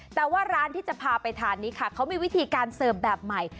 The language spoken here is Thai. แต่ว่าร้านที่จะพาไปทานนี้ค่ะเขามีวิธีการเสิร์ฟแบบใหม่